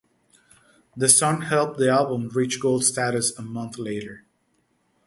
The song helped the album reach gold status a month later.